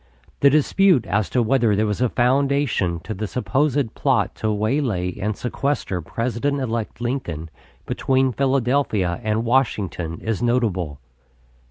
The dispute as to whether there was a foundation to the supposed plot to waylay and sequester President elect Lincoln between Philadelphia and Washington is notable.